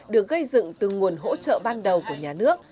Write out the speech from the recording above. được gây dựng từ nguồn hỗ trợ ban đầu của nhà nước